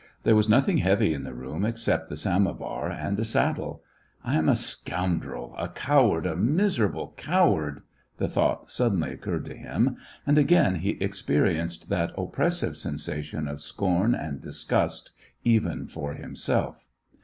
There was nothing heavy in the room except the samo var and a saddle. " I am a scoundrel, a coward, a miserable coward !" the thought suddenly occurred to him, and again he experienced that oppressive sensation of scorn and disgust, even for himself.